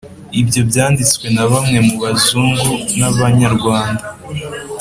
Ibyo byanditswe na bamwe mu Bazungun'Abanyarwanda.